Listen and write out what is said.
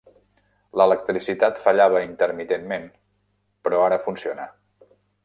L'electricitat fallava intermitentment, però ara funciona.